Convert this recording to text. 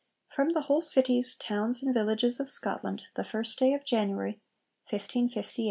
_ FROM THE WHOLE CITIES, TOWNS, AND VILLAGES OF SCOTLAND, THE FIRST DAY OF JANUARY, 1558 .